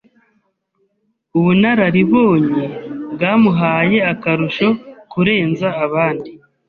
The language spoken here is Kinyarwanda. Ubunararibonye bwamuhaye akarusho kurenza abandi.